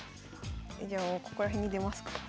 じゃあもうここら辺に出ますか。